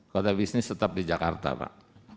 kota bisnis tetap di jakarta pak